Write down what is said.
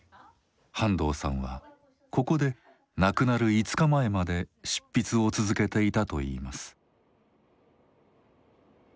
半藤さんはここで亡くなる５日前まで執筆を続けていたといいます。